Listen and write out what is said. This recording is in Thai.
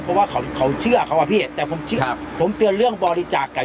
เพราะว่าเขาเขาเชื่อเขาอ่ะพี่แต่ผมเชื่อผมเตือนเรื่องบริจาคไก่